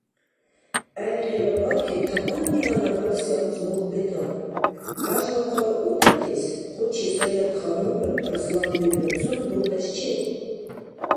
ГӀергъила бархӀи таманни гьанагарси анцӀбукь бетаур: хӀяжла хъара удатес хъучи Саятханумра Арсланбеграцун букьес чебуркъуб.